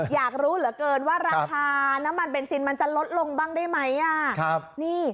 อยากรู้เหลือเกินว่าราคาน้ำมันเบนซินมันจะลดลงบ้างได้ไหม